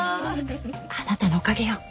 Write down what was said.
あなたのおかげよ。